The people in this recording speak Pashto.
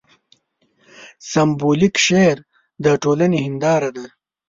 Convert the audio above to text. سېمبولیک شعر د ټولنې هینداره ده.